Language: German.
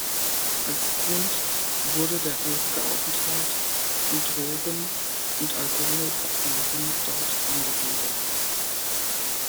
Als Grund wurde der häufige Aufenthalt von Drogen- und Alkoholabhängigen dort angegeben.